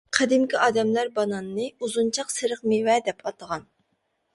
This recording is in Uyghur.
قەدىمكى ئادەملەر باناننى «ئۇزۇنچاق سېرىق مېۋە» دەپ ئاتىغان.